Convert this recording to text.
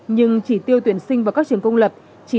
nhưng chỉ tiêu tuyển sinh vào các trường công lập chỉ